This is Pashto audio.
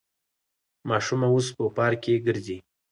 ماشومه اوس په پارک کې ګرځي.